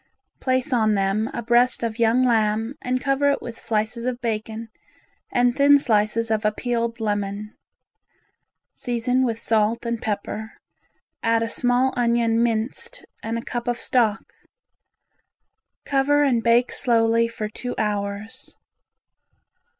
Place on them a breast of young lamb and cover it with slices of bacon and thin slices of a peeled lemon. Season with salt and pepper, add a small onion minced and a cup of stock. Cover and bake slowly for two hours.